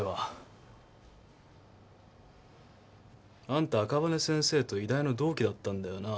あんた赤羽先生と医大の同期だったんだよな？